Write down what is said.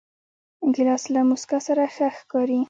ګیلاس له موسکا سره ښه ښکاري.